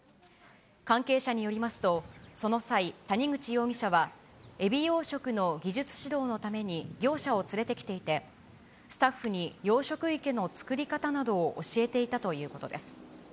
関係者によりますと、その際、谷口容疑者は、エビ養殖の技術指導のために業者を連れてきていて、スタッフに養殖池の作り方などを教えていたということです。